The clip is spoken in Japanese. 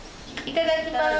いただきます。